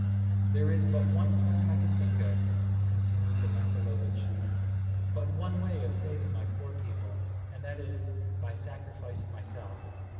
"There is but one plan I can think of," continued the Makololo chief, "but one way of saving my poor people, and that is, by sacrificing myself.